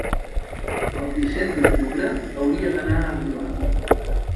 el disset d'octubre hauria d'anar a Vilada.